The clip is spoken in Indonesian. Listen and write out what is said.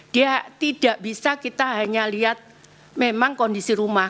dia tidak bisa kita hanya lihat memang kondisi rumah